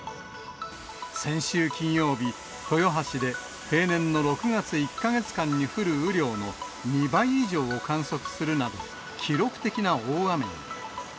先週金曜日、豊橋で平年の６月１か月間に降る雨量の２倍以上を観測するなど、記録的な大雨に。